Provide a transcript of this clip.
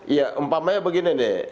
ya umpamanya begini nih